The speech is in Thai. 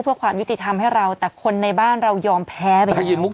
เพื่อขวัญวิธีธรรมให้เราแต่คนในบ้านเรายอมแพ้ค่ะคุณมุก